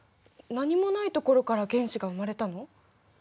何もないところから原子が生まれたの？